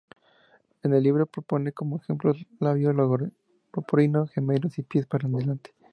En el libro propone como ejemplos, labio leporino, gemelos y pies para adelante.